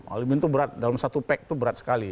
aluminium itu dalam satu pack berat sekali